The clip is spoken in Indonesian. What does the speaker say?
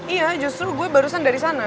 iya justru gue barusan dari sana